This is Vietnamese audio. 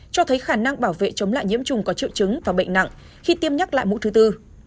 cho thấy khả năng bảo vệ chống lại nhiễm trùng có triệu chứng và bệnh nặng khi tiêm nhắc lại mũi thứ tư